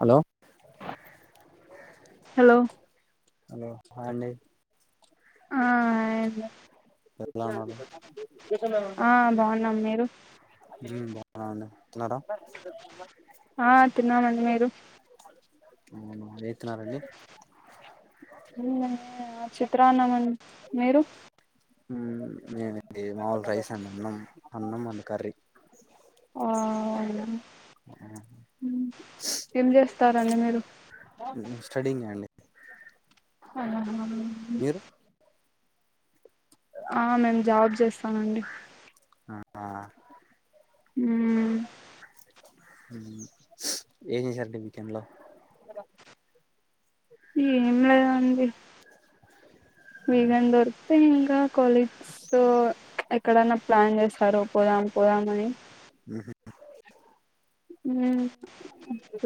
Hello hello hello hi అండి అ ఆ ఎం లే ఎలా ఉన్నారు ఆ బాగు హ మీరు బాగున్నాండి తిన్నారా ఆ తిన్నామండి మీరు అవును ఏం తిన్నారండి లో ఆ చెప్పు బాగున్నామండి మీరు మాది మాముూలు రైస్ అండ్ అన్నం అన్నం అండ్ కర్రీ అవును ఆ ఏం చేస్తారడి మీరు స్టడీంగ్ అండి ఆహా మీరు ఆ నేను జాబ్ చేస్తానండి ఆ మ్మ్ ఏం చేశారండీ వీకెండ్ లో ఏం లే అండి ఏదైనాదొరుకుతే ఇంకా కాలేజ్స్ సో ఎక్కడన్నా ప్లాన్ చేస్తారా పోదాం పోదామని హ్మ్మ్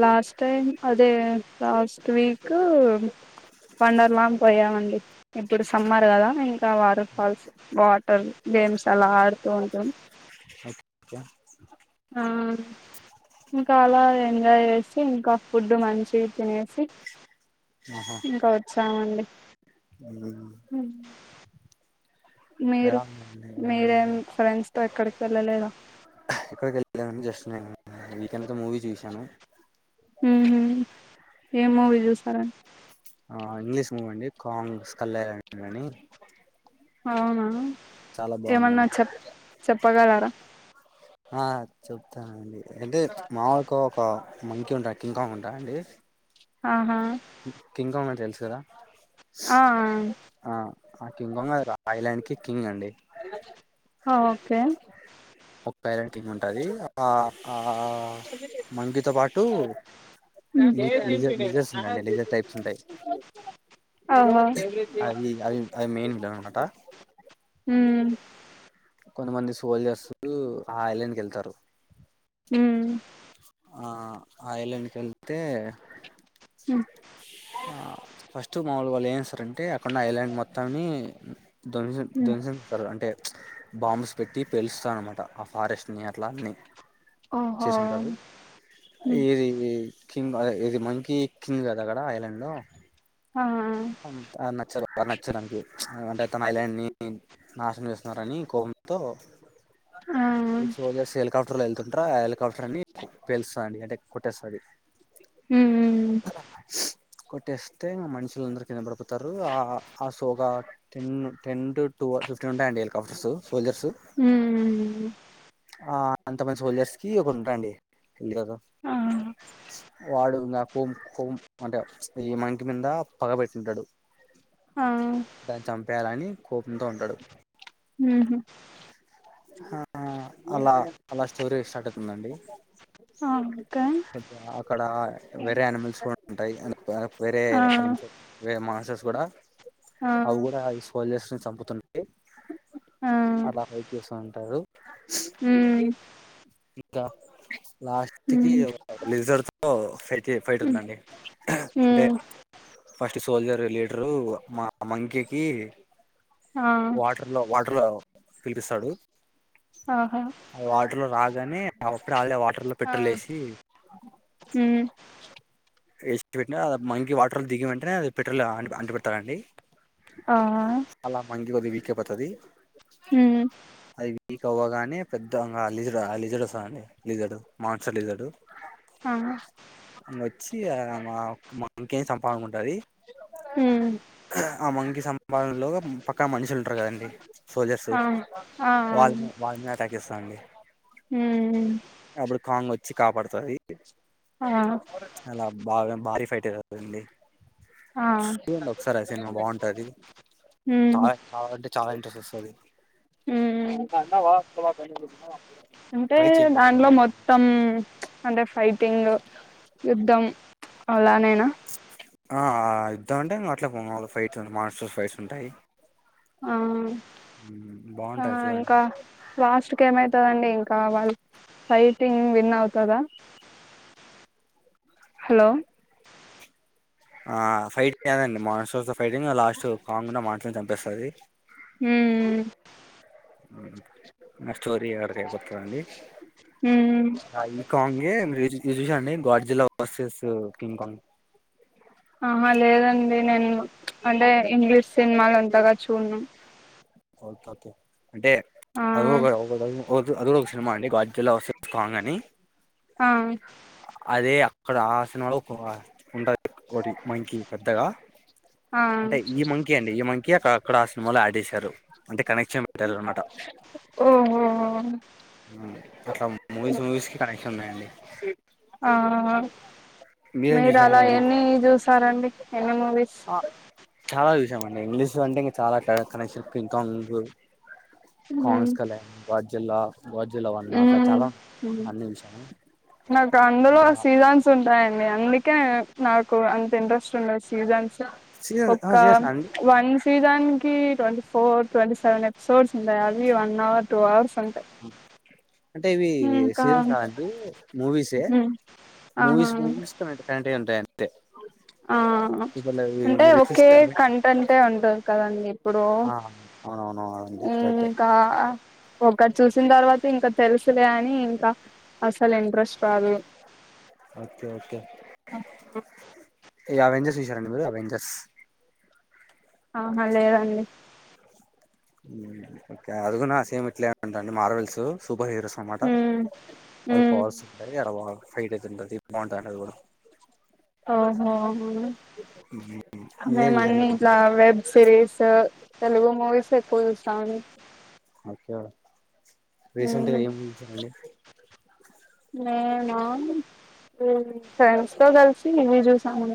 లాస్ట్ టైం అదే లాస్ట్ వీక్ వండర్లా పోయామండి ఇప్పుడు సమ్మర్ కదా ఇంకా వాటర్ ఫాల్స్ వాటర్ గేమ్స్ అలా ఆడుతూ ఉంటాం ఓకే ఆ ఇంకా అలా ఎంజాయ్ చేసి ఇంకా ఫుడ్ మంచివి తినేసి ఆహా సరే అండి ఉమ్ హ మీరు ఎలా ఉందండి మీరేం ఫ్రెండ్స్ తో ఎక్కడ వెళ్ళలేదా నా జస్ట్ నేన్ వీకెంతో మూవీ చూస్ యను హు హ్మ్ ఏ మూవీ చూసారా ఆ ఇంగ్లీష్ మూవీ అండి కాంగ్స్ కళ్యాని అని అవునా చాలా ఏమన్నా బాగుందండి చెప్ చెప్ పగారార హా చ అంటే మామకో ఒక మంకి ఉంటా కింకాంగ్ ఉంటా అండి ఆహా కిం కాం అన్ జర ఆ ఆ కింగంగ్ కదా రా ఓకే పేరెంటింగ్ ఉంటుంది ఆ ఆ మంగితో పాటు మిగతా జ లెజర్స్ ఉంటండి లెజర్ టైప్స్ ఉంటాయి ఆహా అది అది అది మెయిన్ విళ అమాటా ఉమ్ కొంతమంది సోల్జర్స్ ఆ ఐలాండ్ క వెళ్తారు ఉ ఆ ఆ ఇలేనికె తే ఉమ్ ఫస్ట్ మాములుల్ళ ఏం సర అడి అంటే అక్కండా ఐలాండ్ మొత్తని అ ధ్వసం ఉమ్ ధ్వసంస్తారు అంటే బాంబ్స్ పెట్టి పెలుస్తాన అనమాట ఆ ఫారెస్ట్ నర్లానే ఓహో ఉమ్ ఇరి కింగ్ అదే ఇది మకి కింగ్ కద అక్కడ ఐలాండ్ లో ఆ నచ్చారు నచ్చడానికి అంటే తన ఐలాండ్ ని నాశనం చేస్త నారాణీ కంంతో ఆ ఇ హెలీకాప్టర్లో డ్రాల్ టర్ అని పలుస్తాం అంటే కోటేశ్వరి ఊ ఊ కొట్టేస్తే మన్స్ ముందర కింద పడుపోతారు ఆ ఆ ఆ సోగా టెన్ టెన్ టురు టూవ ఫిఫ్టీన్ ఉంటాయి అండి కఫ్టర్స్ సోల్జర్స్ ఉమ్ ఆ అంతమంది సోల్జర్స్ కి ఒకటి ఉంటయండి కదు ఆ వాడు ఇంగా కుం కోం అంటే ఇ మంకి మింద పగబెట్టుంటడు ఆ పేలానీ కోపంతో ఉంటాడు. ఉహు ఆ అలా అలా స్టోరీ స్టార్ట్ అవుతుందండి. ఆ ఓకే అక్కడ వేరే యానిమల్స్ కూడా ఉంటాయి అని భాగం ఆ వేరేరే మానసస్ కుడా ఆ అవు కూడా సోల్జర్స్ సంపుతున్ గే ఆ అలా హైట్ చేస్త ఉంటారు. స్ ఉమ్ ద లాస్ట్కి ఉమ్ అవె లీజర్ తో పెద్ది ఫైట్ ఉమ్ ఉందండి [unintelligible] అంటే ఉమ్ ఫస్ట్ సోల్జర్ లీడరు మా మంకీ కి ఆ వాటర్ లో, వాటర్ లో పిలిపిసాడు ఆహా ఆ వాటర్ లో రాగానే వ కాలే వాటర్ లో పెట్రోలేసి ఉ వేస్ట్ పెట్టిన మంకీ వాటర్లు దిగిన వెంటనే అది పెట్రోల్ అంటు పెడతారండి. ఆ కోదివి కెపతది ఉమ్ ఐవి నీక అవ్వగానే పెద్ద అలిజుడు అలీజడు వస్తాంది లిజడు మాన్సలిజడు ఆ వచ్చి అ మావ్ మ ఇంకేం సంపామున్ ఉమ్ ఆ మంకిి సంపాదనలో పక్కా మనుషులు ఉంటారు కదండి సోల్జర్స్ ఆ ఆ వాళ్ళ వాళ్ళని అటాక్ చేస్తారండి ఉమ్ అప్పుడు కాంగ్ వచ్చి కాపాడుత తది ఆ భారీ ఫైట్ ఇది అండి ఆ బాగుంటది చాలా ఉమ్ చాలా అంటే చాలా ఇంట్రెస్ట్ వస్తది ఉమ్ ఉమ్ అంటే ట్రై చేయండి దాంట్లో ఒకసారి మొత్తం అంటే ఫైటింగ్ యుద్ధం అలానేనా ఆ యుద్దమంటే అట్ల మామూలుగా ఫైట్స్ మాన్స్టర్స్ ఫైట్స్ ఉంటాయి ఆ ఆ బాగుంటాది చూడండి ఇంకా లాస్ట్ ఇంక ఏమైతుదండి ఇంకా వాళ్ళ ఫైటింగ్ విన్ అవుతరా హలో ఆ ఫైట్ కాదండి మాన్స్టర్స్ తో ఫైటింగ్ లాస్ట్ కాంగ్ మా ఎ చంపేస్తది ఉమ్ ఆ స్టోరీ అక్కడికి అయిపోతదండి ఉమ్ ఉమ్ ఈ కాంగే మీరు ఇది ఇది చూశారా అండి గాడ్జిలా వర్సెస్ కింగ్ కాంగ్ ఆహా లేదండి నేను అంటే ఇంగ్లీష్ సినిమాలు అంతగా చూడ్ను ఓకే ఓకే అంటే ఆ అది ఒక అది ఒక సినిమా అండి గాడ్ జిల్లా వర్సెస్ కాంగ్ అని ఆ అదే అక్కడ ఆ సినిమాలో [unintelligible] ఉంటది ఒకటి మంకీ పెద్దగా ఆ అంటే ఈ మంకీ అండి ఈ మంకిీ అక్కడ ఆ సినిమాలో యాడ్ చేసారు అంటే కనెక్షన్ పెట్టారు అన్నమాట ఓహో అట్లా మూవీస్ మూవీస్ కి కనెక్షన్ ఉన్నాయండి ఆ మీరేం చూసారండి మూవీ అండి ఎన్ని మూవీస్ చాలా చూసామండి ఇంగ్లీష్ అంటే ఇంకా చాలా ఫేవరెట్ కనెక్షన్ కింగ్ కాంగ్ ఉమ్ కాంగ్స్ [unintelligible] గాడ్జిల్లా గాడ్జిల్లా వన్ అట్లా ఉమ్ చాలా ఉన్నాయ్ అన్ని చూసాను నాకు అందులో ఇంకా సీజన్స్ ఉంటాయి అందుకే నాకు అంత ఇంట్రెస్ట్ ఉండదు సీజన్స్ సీజన్ ఒక సీజన్స్ అండి one season twenty four twenty seven episodes ఉంటాయ్ అది వన్ అవర్ టూ అవర్స్ ఉంటాయి అంటే ఇవి ఇంకా సీజన్స్ కాదండి మూవీస్ ఏ ఉమ్ ఆహా మూవీస్ మూవీస్ అంటే ఉంటాయట ఆ అంటే మీరు ఒకే కంటెంటే ఉంటది కదండి ఇప్పుడు ఆ ఇంకా ఒకటి చూసిన తర్వాత ఇంకా తెలుసులే అని ఇంకా అసలు ఇంట్రెస్ట్ రాదు ఓకే ఓకే ఏ అవెంజర్స్ విషారాడి బ అవెంజర్స్ ఆహా లేదండి ఓకే అదిగున్నా సేమ్ ఇట్లేంటండి మార్వెల్స్ సూపర్ హీరోస్ అనమాట ఉమ్ వాళ్ళు ఉమ్ పోవాల్సి ఉంట ఎడాల ఫైట్ అయితుంటుంది బాగుంటా అన్నది కూడా ఆఓహో మ్మ్. మీరే మేము చూసారా అన్నిీఇట్లా వెబ్ సిరీస్ తెలుగు మూవీస్ ఎక్కువ చూస తను మకేడ రీసెంట్గా ఏం చూశారండి నేను ఫ్రెండ్స్ తో కలిసి ఇవి చూసాము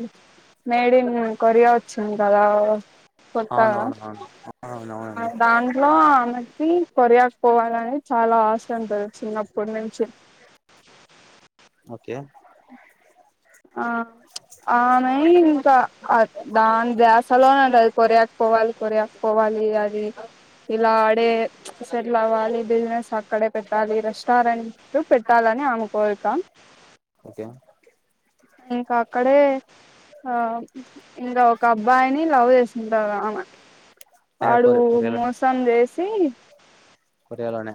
మేడ్ ఇన్ కొరియా వచ్చిం కదా కొత్తాగా అవునవునవును ఆ అవునవునండి దాంట్లో కొరియాక పోవాలని చాలా ఆశ ఉంటది చిన్నప్పటి నుంచి ఓకే ఆ అమె ఇంకా దాని దసలోనే ఉ అది కొరియాకి పోవాలి కొరియాకి పోవాలి అది ఇలా ఆడే సెటిల్ అవ్వాలి బిజినెస్ అక్కడే పెట్టాలి రెస్టారెంట్ పెట్టాలని ఆమె కోరిక ఓకే ఇంకా అక్కడే ఆ ఇంకా ఒక అబ్బాయిని లవ్ చేస్తుంటాది ఆమె అ వాడు కొరి కొరియాలో మోసం చేసి కొరియాలోనే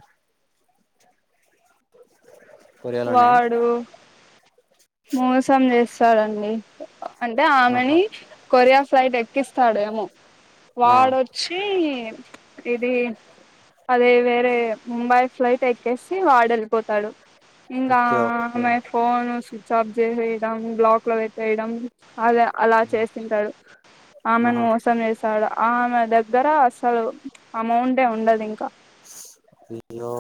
కొరియాలోనే వాడు మోసం చేస్తాడండి అంటే ఆహా ఆమెణి కొరియా ప్లైట్ ఎక్కిస్తాడేమో ఆ వాడొచ్చి ఇది అదే వేరే ముంబై ఫ్లైట్ ఎక్కేసి వాడు వెళ్ళిపోతాడు ఇంగ ఓకే ఓకే ఆమె ఫోను స్వి వేయడం బ్లాక్ లో పెట్టేయడం అద అలా చేస్తుంటాడు ఆమెను ఆహా మోసం చేేసాడు ఆమె దగ్గర అస్సలు అమౌంటె ఉండదింక. లో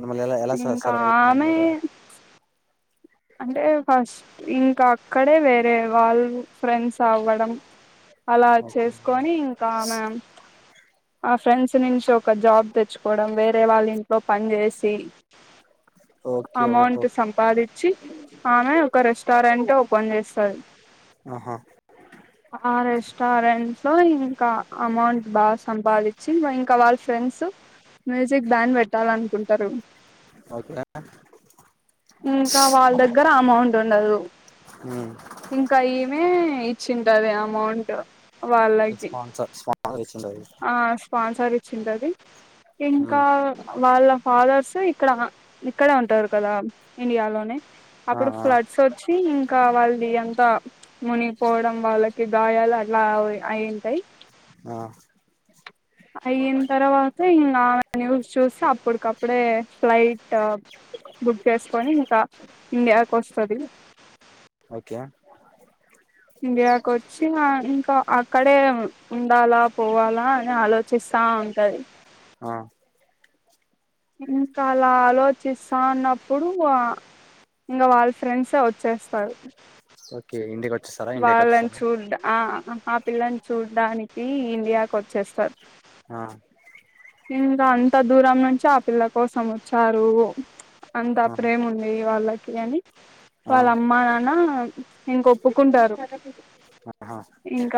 నమ్మల్ ఎలా స సర్వైవ్ ఆమె నదల అంటే ఫస్ట్ ఇంకా అక్కడే వేరే వాళ్ళు ఫ్రెండ్స్ అవ్వడం అలా ఓకే చేసుకొని ఇంకా మా ఆ ఫ్రెండ్స్ నుంచి ఒక జాబ్ తెచ్చుకోవడం వేరే వాళ్ళు ఇంట్లో పని చేసి ఓకే ఓహో అమౌంట్ సంపాదిచ్చి ఆమె ఒక రెస్టారెంట్ ఓపెన్ చేస్తది. ఆహా ఆ రెస్టారెంట్స్ లో ఇంక అమౌంట్ బాగొస్ సంపాదిచ్చి ఇవ ఇంక వాళ్ళ ఫ్రెండ్సు మ్యూజిక్ బ్యాన్ పెట్టాలనుకుంటారు. ఓకె ఇంకా వాళ్ళ దగ్గర అమౌంట్ ఉండదు. మ్మ్. ఇంకా ఈమె ఇచ్చింటది అమౌంట్. ఓకె వాళ్ళకి స్పాన్సర్స్ కా కాల్ చేస్ ఉంటాది. ఆ స్పాన్సర్ ఇచ్చింటాది. ఇంకా వాళ్ళ ఫాదర్స్ ఇక్కడ ఇక్కడే ఉంటారు కదా! ఇండియాలోనే ఆ అప్పుడు ఆ ఫ్లడ్సొచ్చి ఇంకా వాళ్ది అంతా మునిగిపోవడం వాళ్ళకి గాయాలు అట్లా అవి అయింటాయ్. ఆ అయిన్ తర్వాత ఇంగామె న్యూస్ చూసి అప్పటికప్పుడే ఫ్లైట్ బుక్ చేసుకొని, ఇంకా ఇండియాకు వస్తది. ఓకె ఇండియాకొచ్చి హ ఇంకా అక్కడే ఉండాలా పోవాలా అని ఆలోచిస్తా ఉంటది. ఆ ఇంకా అలా ఆలోచిస్తా ఉన్నప్పుడు ఇంక వాళ్ళ ఫ్రెండ్సే వచ్చేస్తారు. ఓకె ఇంటికొత్ వాళ్ళని చూడ్డా ఆ ఆ పిల్లని చూడ్డానికి ఇండియాకొచ్చేస్తారు. ఆ ఇంకా అంత దూరం నుంచి ఆ పిల్ల కోసం వచ్చారు. అంతా ఆ ప్రేముంది ఇగ వాళ్ళకి అని, ఆ వాళ్ళ అమ్మ, నాన్న ఇంక ఒప్పుకుంటారు. ఆహా ఇంక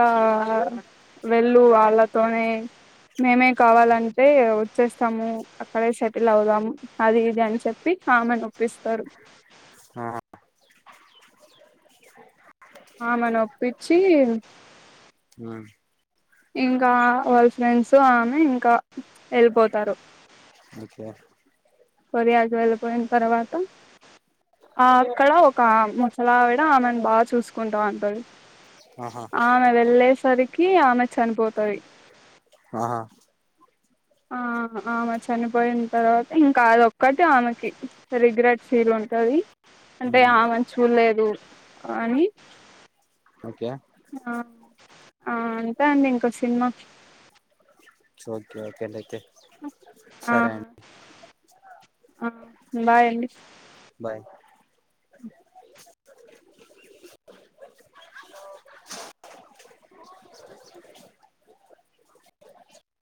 వెళ్ళు వాళ్ళతోనే మేమే కావాలని తె వచ్చేస్తాము అక్కడే సెటిల్ అవుదాము అది ఇది అని చెప్పి ఆమెనొప్పిస్తారు. ఆహా ఆమెని ఒప్పిచ్చి మ్మ్ ఇంకా వాళ్ళ ఫ్రెండ్సు ఆమె ఇంకా వెళ్ళిపోతారు. ఓకే కొరియాకి వెళ్ళిపోయిన తర్వాత, ఆ అక్కడ ఒక ముసలావిడ ఆమెను బా చూసుకుంటాంటది. ఆహా ఆమె వెల్లెసరి కి ఆమె చనిపోతాయి. ఆహా ఆ ఆమ చనిపోయిన తర్వాత ఇన్ కాదు ఒక్కటి ఆమెకి రిగ్రెట్ ఫీల్ ఉంటది. అంటే, మ్మ్ ఆమెను చూడలేదు. అని ఓకే ఆ ఆ అంతె అండి ఇంక సినిమా. ఓకే ఓకే లే అయితే ఆ సరే అం ఆ బాయ్ అండి బాయ్